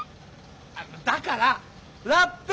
だからラップ！